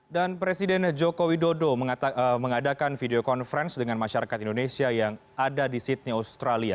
dan presiden joko widodo mengadakan video conference dengan masyarakat indonesia yang ada di sydney australia